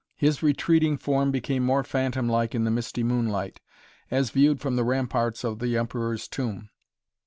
His retreating form became more phantom like in the misty moonlight, as viewed from the ramparts of the Emperor's Tomb.